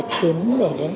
tiếm đến tám mươi chín mươi